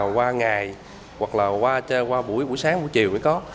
qua ngày hoặc là qua buổi buổi sáng buổi chiều mới có